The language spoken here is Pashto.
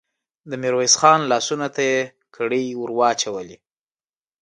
د ميرويس خان لاسونو ته يې کړۍ ور واچولې.